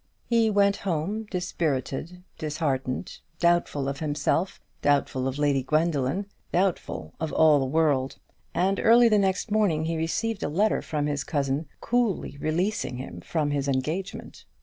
He went home, dispirited, disheartened, doubtful of himself, doubtful of Lady Gwendoline, doubtful of all the world; and early the next morning he received a letter from his cousin coolly releasing him from his engagement.